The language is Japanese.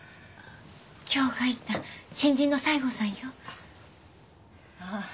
今日入った新人の西郷さんよああ